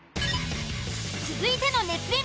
続いての熱演